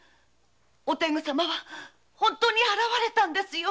お天狗様は本当に現れたんですよ。